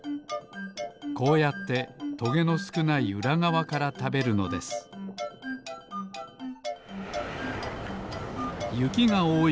こうやってトゲのすくないうらがわからたべるのですゆきがおおい